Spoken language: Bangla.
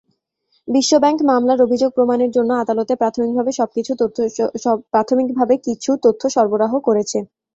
বিশ্বব্যাংক মামলার অভিযোগ প্রমাণের জন্য আদালতে প্রাথমিকভাবে কিছু তথ্য সরবরাহ করেছে।